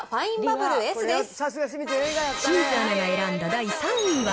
第３位は。